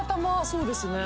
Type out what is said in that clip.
そうですね。